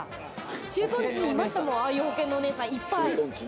駐屯地にいましたもん、ああいう保険のお姉さん、いっぱい。